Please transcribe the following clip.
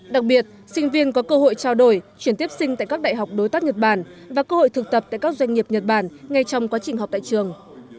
hội trao đổi chuyển tiếp sinh tại các đại học đối tác nhật bản và cơ hội thực tập tại các doanh nghiệp nhật bản ngay trong quá trình học tại trường